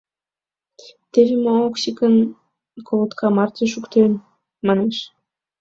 — Теве мо Оксиным колотка марте шуктен, — манеш.